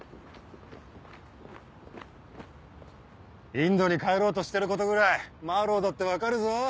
インドに帰ろうとしてることぐらいマーロウだって分かるぞ。